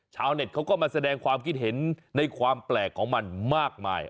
เน็ตเขาก็มาแสดงความคิดเห็นในความแปลกของมันมากมาย